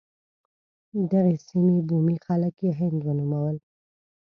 دغې سیمې بومي خلک یې هند ونومول.